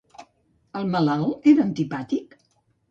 El malalt, era antipàtic?